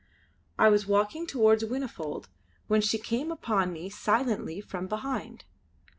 I was walking towards Whinnyfold when she came upon me silently from behind.